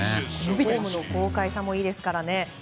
フォームの豪快さもいいですからね。